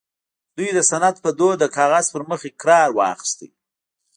دوی د سند په دود د کاغذ پر مخ اقرار واخيسته